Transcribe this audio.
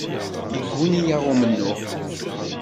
Yegguni-aɣ umennuɣ.